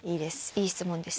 いい質問です。